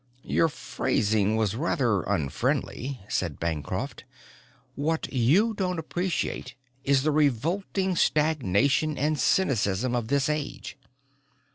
"Your phrasing was rather unfriendly," said Bancroft. "What you don't appreciate is the revolting stagnation and cynicism of this age."